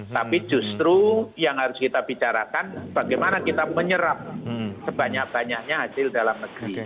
tapi justru yang harus kita bicarakan bagaimana kita menyerap sebanyak banyaknya hasil dalam negeri